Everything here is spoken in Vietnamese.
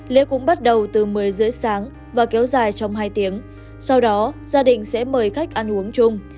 lễ cũng bắt đầu từ một mươi h ba mươi sáng và kéo dài trong hai tiếng sau đó gia đình sẽ mời khách ăn uống chung